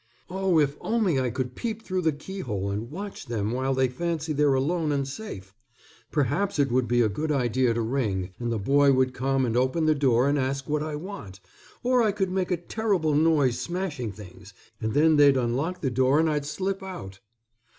"Oh, if only I could peep through the key hole and watch them while they fancy they're alone and safe. Perhaps it would be a good idea to ring, and the boy would come and open the door and ask what I want. Or I could make a terrible noise smashing things, and then they'd unlock the door and I'd slip out."